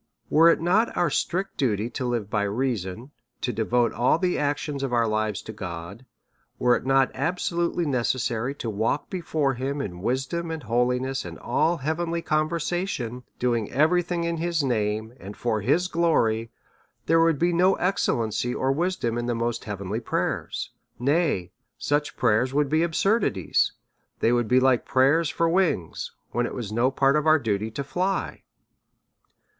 Were it not our strict duty to live by rea son, to devote all the actions of our lives to God ; were it not absolutely necessary to walk before him in wisdom, and holiness, and all heavenly conversation, doing every thing in his name, and for his glory, there would be no excellency or wisdom in the most heaven ly prayers. Nay, such prayers would be absurdities ; they would be like prayers for wings when it was no part of our duty to fly.